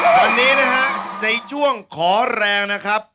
ตอนนี้นะฮะในช่วงขอแรงนะครับ